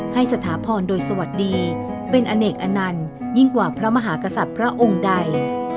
สถาพรโดยสวัสดีเป็นอเนกอนันต์ยิ่งกว่าพระมหากษัตริย์พระองค์ใด